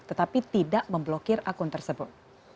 tetapi tidak memblokir akun tersebut